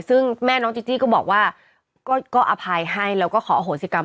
ซึ่งแม่น้องจีจี้ก็บอกว่าก็อภัยให้แล้วก็ขออโหสิกรรม